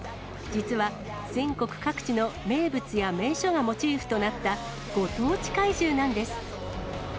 実は全国各地の名物や名所がモチーフとなった、ご当地怪獣なんです。